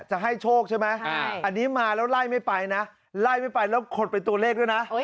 จะให้โชคใช่ไหมอันนี้มาแล้วไล่ไม่ไปนะไล่ไม่ไปแล้วคนเป็นตัวเลขด้วยนะ